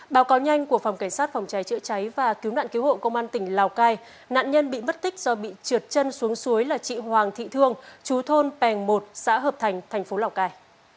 báo cáo nhanh của phòng cảnh sát phòng cháy chữa cháy và cứu nạn cứu hộ công an tỉnh lào cai nạn nhân bị mất tích do bị trượt chân xuống suối là chị hoàng thị thương chú thôn pèng một xã hợp thành thành phố lào cai